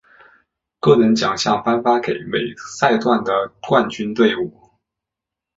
个人奖项颁发给每赛段的冠军队伍。